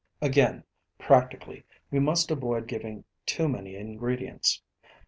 Again, practically, we must avoid giving too many ingredients.